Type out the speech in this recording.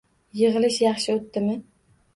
— Yig‘ilish yaxshi o‘tdimi?